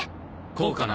こうかな？